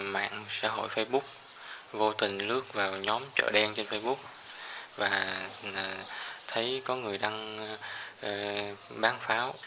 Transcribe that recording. mạng xã hội facebook vô tình lướt vào nhóm chợ đen trên facebook và thấy có người đang bán pháo